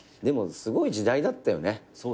でもすごい時代だったよね。